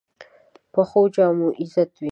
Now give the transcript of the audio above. پخو جامو عزت وي